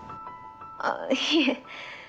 あっいえ。